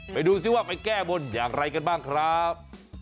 ไปดูซิว่าไปแก้บนอย่างไรกันบ้างครับ